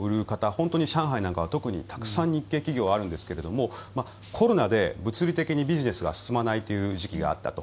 本当に、上海なんかは特にたくさん日系企業あるんですがコロナで物理的にビジネスが進まない時期があったと。